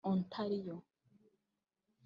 Ontario